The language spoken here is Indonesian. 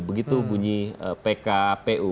begitu bunyi pkpu